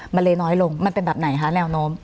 มะเลน้อยลงมันเป็นแบบไหนค่ะเเนวน้อม